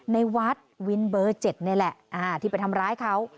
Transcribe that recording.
ในวัดวินเบอร์๗นี่แหละที่ไปทำร้ายเขา